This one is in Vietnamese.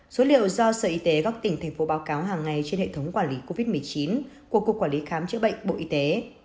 số liệu do sở y tế các tỉnh thành phố báo cáo hàng ngày trên hệ thống quản lý covid một mươi chín của cục quản lý khám chữa bệnh bộ y tế